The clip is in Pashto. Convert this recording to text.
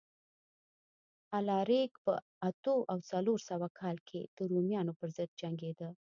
الاریک په اتو او څلور سوه کال کې د رومیانو پرضد جنګېده